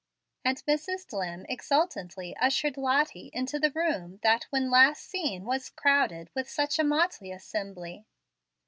And Mrs. Dlimm exultantly ushered Lottie into the room that, when last seen, was crowded with such a motley assembly.